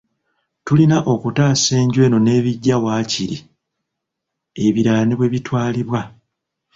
Tulina okutaasa enju eno n'ebiggya waakiri, ebirala ne bwe bitwalibwa.